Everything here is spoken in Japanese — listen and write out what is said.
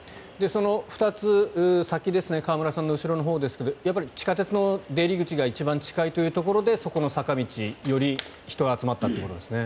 その２つ先ですね河村さんの後ろのほうですがやっぱり地下鉄の出入り口が一番近いというところでそこの坂道、より人が集まったということですね。